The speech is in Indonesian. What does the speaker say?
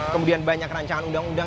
kemudian banyak rancangan undang undang